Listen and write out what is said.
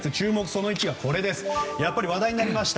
その１がやはり話題になりました